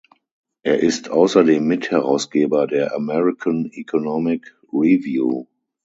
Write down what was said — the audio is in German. Er ist außerdem Mitherausgeber der American Economic Review.